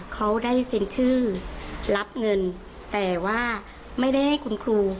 เขาได้เซ็นชื่อรับเงินแต่ว่าไม่ได้ให้คุณครู